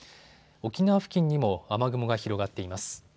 沖縄付近にも雨雲が広がっています。